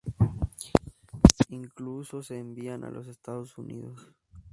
Incluso se envían a los Estados Unidos.